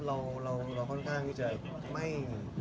และเขาก็จะไม่